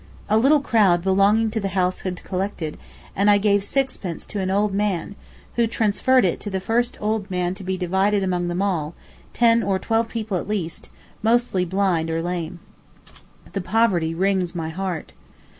A little crowd belonging to the house had collected, and I gave sixpence to an old man, who transferred it to the first old man to be divided among them all, ten or twelve people at least, mostly blind or lame. The poverty wrings my heart.